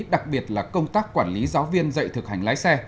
đặc biệt là công tác quản lý giáo viên dạy thực hành lái xe